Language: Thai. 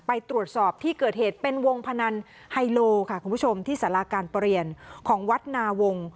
ไปตรวจสอบที่เกิดเหตุเป็นวงพนันไฮโลค่ะคุณผู้ชมที่สาราการประเรียนของวัดนาวงศ